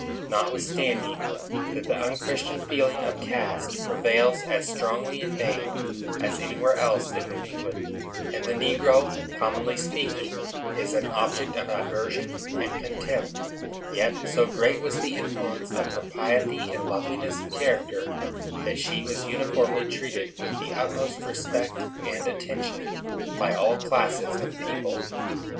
Notwithstanding that the unchristian feeling of caste prevails as strongly in Maine as anywhere else in New England, and the negro, commonly speaking, is an object of aversion and contempt, yet, so great was the influence of her piety and loveliness of character, that she was uniformly treated with the utmost respect and attention by all classes of people.